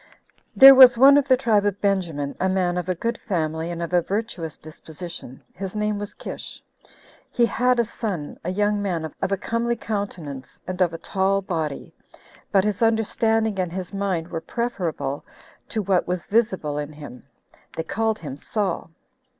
1. Ther was one of the tribe of Benjamin, a man of a good family, and of a virtuous disposition; his name was Kish. He had a son, a young man of a comely countenance, and of a tall body, but his understanding and his mind were preferable to what was visible in him: they called him Saul.